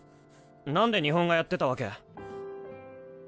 なんで日本画やってたわけ？